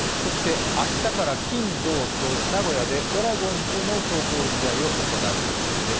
明日から金・土と名古屋でドラゴンズとの壮行試合を行う予定です。